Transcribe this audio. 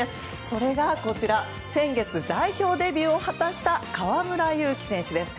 それが先月代表デビューを果たした河村勇輝選手です。